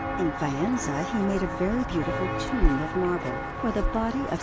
In Faenza he made a very beautiful tomb of marble for the body of S.